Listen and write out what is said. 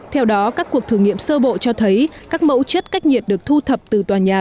theo đó các cuộc thử nghiệm sơ bộ cho thấy các mẫu chất cách nhiệt được thu thập từ tòa nhà